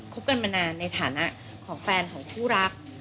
บกันมานานในฐานะของแฟนของคู่รัก